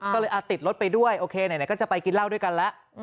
ก็เลยติดรถไปด้วยโอเคไหนก็จะไปกินเหล้าด้วยกันแล้ว